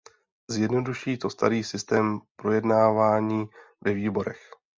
Zjednoduší to starý systém projednávání ve výborech.